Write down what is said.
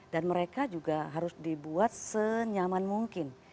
dan mereka juga harus dibuat senyaman mungkin